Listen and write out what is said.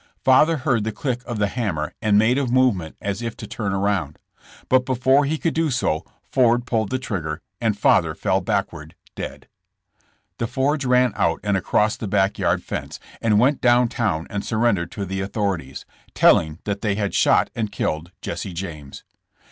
Father heard the click of the ham mer and made a movement as if to turn around. But before he could do so Ford pulled the trigger and father fell backward dead. The Fords ran out and across the back yard fence, and went down town and surrendered to the authorities, telling that they had shot and killed Jesse James.